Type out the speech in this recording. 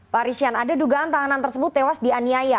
pak rishian ada dugaan tahanan tersebut tewas di aniaya